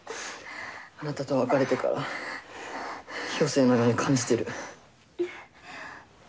あなたと別れてから余生のように感じてる。